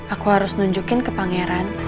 aku harus nunjukin ke pangeran